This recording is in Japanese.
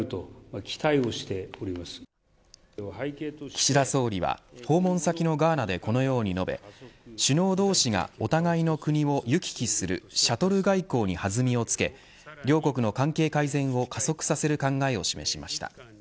岸田総理は、訪問先のガーナでこのように述べ首脳同士がお互いの国を行き来するシャトル外交に弾みをつけ両国の関係改善を加速させる考えを示しました。